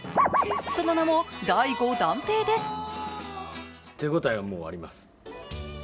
その名も大悟段平です。